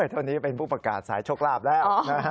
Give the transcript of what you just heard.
เท่านี้เป็นผู้ประกาศสายโชคลาภแล้ว